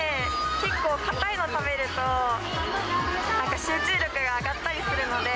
結構硬いの食べると、集中力が上がったりするので。